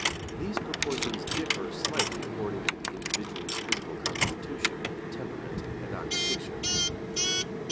These proportions differ slightly according to the individual's physical constitution, temperament and occupation.